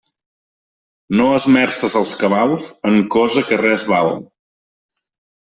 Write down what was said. No esmerces els cabals en cosa que res val.